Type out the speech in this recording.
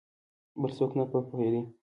بل څوک نه په پوهېدی !